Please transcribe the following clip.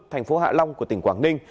thành phố hạ long của tỉnh quảng ninh